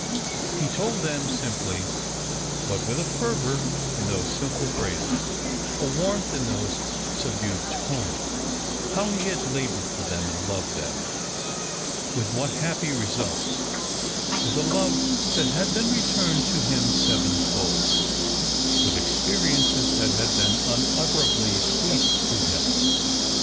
He told them simply, but with a fervour in those simple phrases, a warmth in those subdued tones, how he had laboured for them and loved them; with what happy results, with a love that had been returned to him sevenfold, with experiences that had been unutterably sweet to him.